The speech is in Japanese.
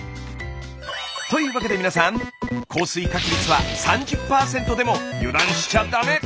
というわけで皆さん降水確率は３０％でも油断しちゃダメ！